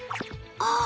あ！